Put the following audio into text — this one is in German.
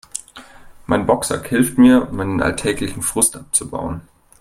Mein Boxsack hilft mir, meinen alltäglichen Frust abzubauen.